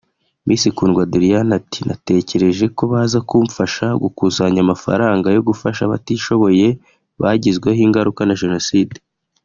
Miss Kundwa Doriane ati “ Natekereje ko baza kumfasha gukusanya amafaranga yo gufashaabatishoboye bagizweho ingaruka na Jenoside